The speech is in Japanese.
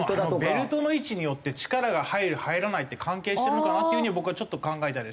ベルトの位置によって力が入る入らないって関係してるのかな？っていう風に僕は考えたりはしますね。